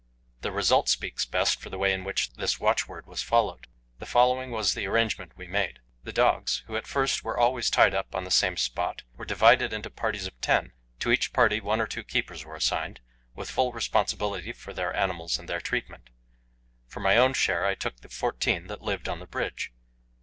The result speaks best for the way in which this watchword was followed. The following was the arrangement we made: The dogs, who at first were always tied up on the same spot, were divided into parties of ten; to each party one or two keepers were assigned, with full responsibility for their animals and their treatment. For my own share I took the fourteen that lived on the bridge.